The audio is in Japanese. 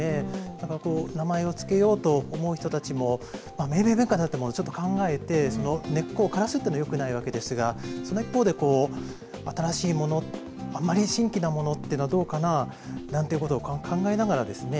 だから名前をつけようと思う人たちも命名を考えて根っこをからすのはよくないわけですがその一方で新しいもの、あまり新規のものというのはどうかなということを考えながらですね